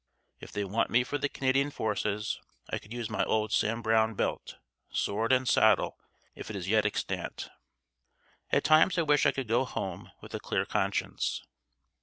If they want me for the Canadian forces, I could use my old Sam Browne belt, sword, and saddle if it is yet extant. At times I wish I could go home with a clear conscience."